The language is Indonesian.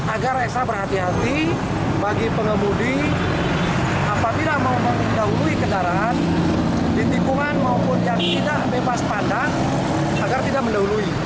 agar ekstra berhati hati bagi pengemudi apabila mau mendahului kendaraan di tikungan maupun yang tidak bebas pandang agar tidak mendahului